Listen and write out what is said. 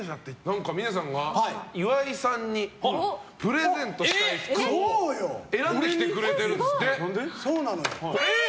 何か、峰さんが岩井さんにプレゼントしたい服を選んできてくれてるんですって。